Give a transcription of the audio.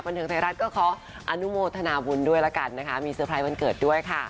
เทิงไทยรัฐก็ขออนุโมทนาบุญด้วยละกันนะคะมีเซอร์ไพรส์วันเกิดด้วยค่ะ